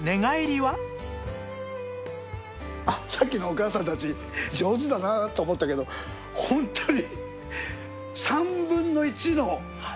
さっきのお母さんたち上手だなと思ったけどホントに。